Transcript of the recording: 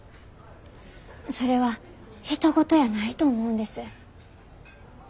それはひと事やないと思うんです。